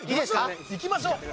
いきましょう。